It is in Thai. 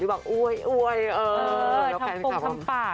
ชอตนี้น่ารักมาก